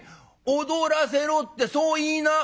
『踊らせろ』ってそう言いな！」。